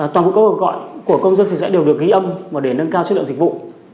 toàn bộ các cuộc gọi của công dân sẽ đều được ghi âm để nâng cao chất lượng dịch vụ